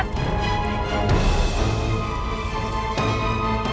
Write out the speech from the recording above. pikir italia di dalam